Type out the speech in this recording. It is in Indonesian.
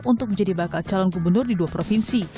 untuk menjadi bakal calon gubernur di dua provinsi